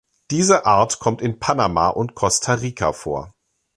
Diese Art kommt in Panama und Costa Rica vor.